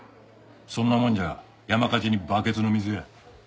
そんなもんじゃ山火事にバケツの水や。